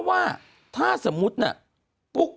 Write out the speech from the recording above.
อันนี้คือคำถามที่คนไทยอยากจะรู้